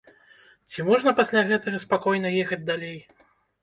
Ці можна пасля гэтага спакойна ехаць далей?